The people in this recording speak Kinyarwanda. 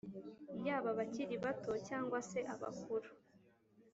yaba abakiri bato cyangwa se abakuru